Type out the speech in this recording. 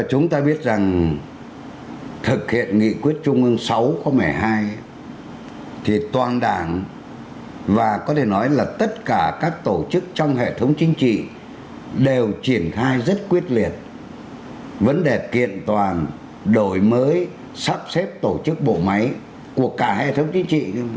chúng ta biết rằng thực hiện nghị quyết trung ương sáu có mẻ hai thì toàn đảng và có thể nói là tất cả các tổ chức trong hệ thống chính trị đều triển khai rất quyết liệt vấn đề kiện toàn đổi mới sắp xếp tổ chức bộ máy của cả hệ thống chính trị